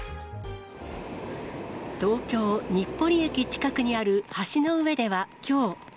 東京・日暮里駅近くにある橋の上ではきょう。